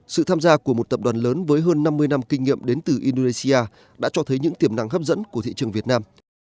sự tham gia của một tập đoàn lớn với hơn năm mươi năm kinh nghiệm đến từ indonesia đã cho thấy những tiềm năng hấp dẫn của thị trường việt nam